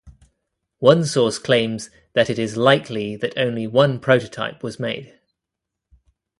One source claims that it is likely that only one prototype was made.